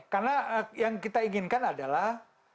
karena yang kita inginkan adalah